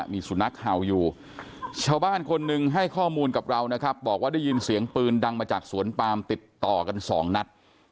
มีสุนัขเห่าอยู่ชาวบ้านคนหนึ่งให้ข้อมูลกับเรานะครับบอกว่าได้ยินเสียงปืนดังมาจากสวนปามติดต่อกันสองนัด